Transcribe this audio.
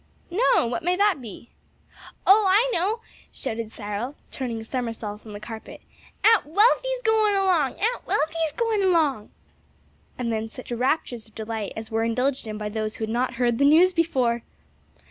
"No; what may that be?" "Oh, I know!" shouted Cyril, turning a somersault on the carpet. "Aunt Wealthy's goin' along! Aunt Wealthy's goin' along!" And then such raptures of delight as were indulged in by those who had not heard the news before!